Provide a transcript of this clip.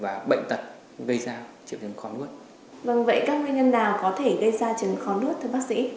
vâng vậy các nguyên nhân nào có thể gây ra triệu chứng khó nuốt thưa bác sĩ